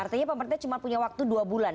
artinya pemerintah cuma punya waktu dua bulan